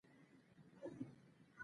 حل لپاره به خپلي رغنيزي او انکشافي